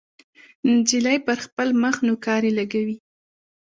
نجلۍ پر خپل مخ نوکارې لګولې.